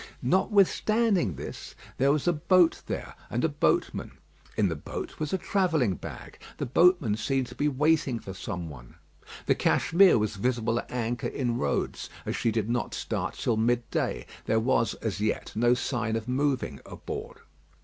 Notwithstanding this, there was a boat there and a boatman. In the boat was a travelling bag. The boatman seemed to be waiting for some one. The Cashmere was visible at anchor in roads, as she did not start till midday; there was as yet no sign of moving aboard.